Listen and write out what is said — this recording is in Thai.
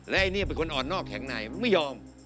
และไอ้นี่เป็นคนอ่อนนอกแข็งในไม่ยอม